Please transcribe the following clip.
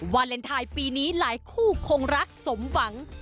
วาเลนไทยปีนี้หลายคู่คงรักสมหวัง